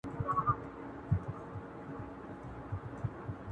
یوه مېدان کې ښکته شوي